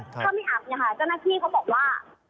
ถ้าไม่อับเจ้าหน้าที่เขาบอกว่า